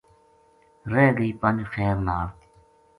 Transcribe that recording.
رہ گئی پنج خیر نال